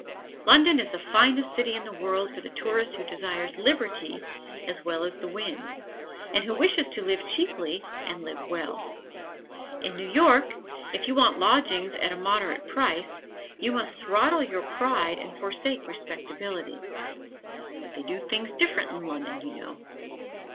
London is the finest city in the world for the tourist who desires liberty as wide as the wind, and who wishes to live cheaply and live well. In New York, if you want lodgings at a moderate price, you must throttle your pride and forsake respectability; but they do things different in Lunnon, you know.